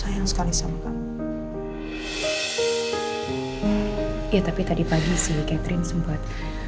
ya tapi tadi pagi sih catherine sempet